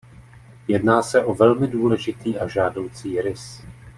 Jedná se o velmi důležitý a žádoucí rys.